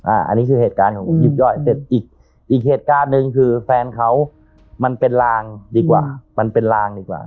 อันนี้คือเหตุการณ์ของคลิปย่อยเสร็จอีกอีกเหตุการณ์หนึ่งคือแฟนเขามันเป็นลางดีกว่ามันเป็นลางดีกว่า